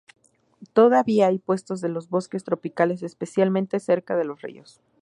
Todavía hay puestos de los bosques tropicales, especialmente cerca de los ríos.